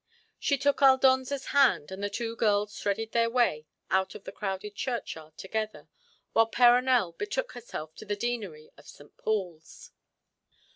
She took Aldonza's hand, and the two girls threaded their way out of the crowded churchyard together, while Perronel betook herself to the Deanery of St. Paul's.